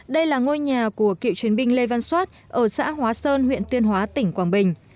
đây là ngôi nhà của cựu chiến binh lê văn soát ở xã hóa sơn huyện tuyên hóa tỉnh quảng bình